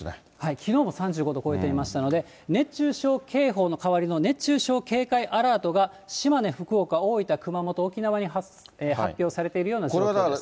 きのうも３５度を超えていましたので、熱中症警報の代わりの熱中症警戒アラートが島根、福岡、大分、熊本、沖縄に発表されているような状況です。